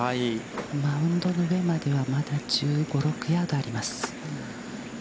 マウンドの上までは、まだ１５６ヤードあります。